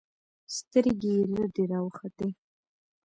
سترګې يې رډې راوختې.